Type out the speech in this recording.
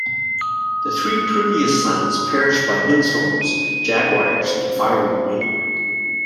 The first three previous suns perished by wind storms, jaguars and fiery rain.